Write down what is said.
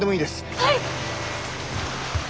はい！